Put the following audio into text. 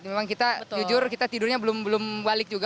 memang kita jujur kita tidurnya belum balik juga